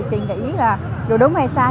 thì chị nghĩ là đúng hay sai